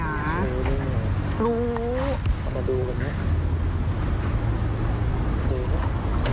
เอามาดูกันนะ